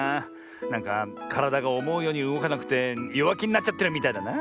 なんかからだがおもうようにうごかなくてよわきになっちゃってるみたいだな。